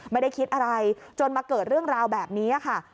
ไม่ได้คิดอะไรจนมาเกิดเรื่องราวแบบนี้ค่ะ